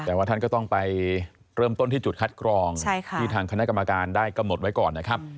แต่ว่าท่านก็ต้องไปเริ่มต้นที่จุดคัดกรองที่ทางคณะกรรมการได้กำหนดไว้ก่อนนะครับ